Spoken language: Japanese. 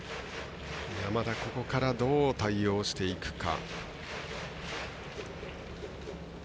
山田、ここからどう対応していくか。